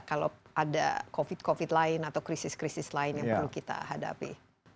kalau ada covid covid lain atau krisis krisis lain yang perlu kita hadapi